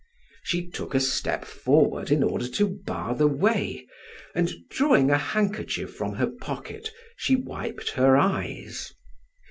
She took a step forward in order to bar the way, and drawing a handkerchief from her pocket she wiped her eyes.